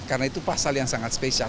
karena itu pasal yang sangat spesial